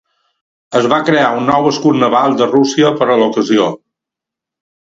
Es va crear un nou escut naval de Rússia per a l'ocasió.